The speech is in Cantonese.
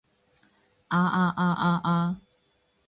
啊啊啊啊啊